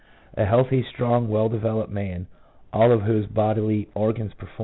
A healthy, strong, well developed man, all of whose bodily organs perform 1 C.